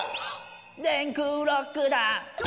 「電空ロックだ」